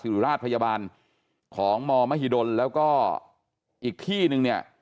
รุราชพยาบาลของมมหิดลแล้วก็อีกที่นึงเนี่ย